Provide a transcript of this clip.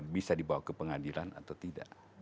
bisa dibawa ke pengadilan atau tidak